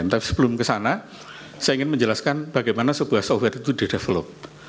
tapi sebelum ke sana saya ingin menjelaskan bagaimana sebuah software itu didevelop